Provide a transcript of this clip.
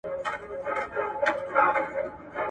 زه چي غرغړې ته ورختلم اسمان څه ویل.